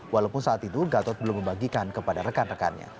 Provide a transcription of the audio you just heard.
walaupun saat itu gatot belum membagikan kepada rekan rekannya